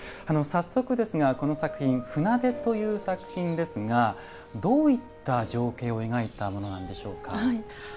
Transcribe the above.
早速ですがこの作品「舟出」という作品ですがどういった情景を描いたものなんでしょうか？